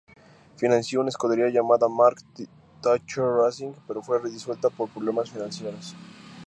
Financió una escudería llamada Mark Thatcher Racing, pero fue disuelta por problemas financieros.